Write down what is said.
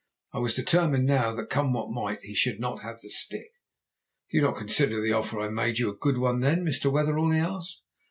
I was determined now that, come what might, he should not have the stick. "'Do you not consider the offer I make you a good one then, Mr. Wetherell?' he asked.